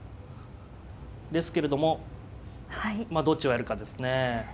ですけれどもまあどっちをやるかですね。